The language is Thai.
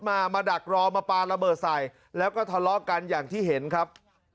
มามาดักรอมาปลาระเบิดใส่แล้วก็ทะเลาะกันอย่างที่เห็นครับ